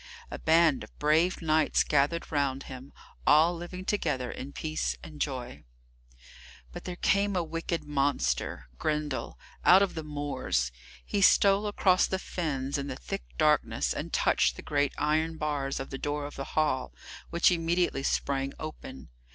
A band of brave knights gathered round him, all living together in peace and joy. But there came a wicked monster, Grendel, out of the moors. He stole across the fens in the thick darkness, and touched the great iron bars of the door of the hall, which immediately sprang open.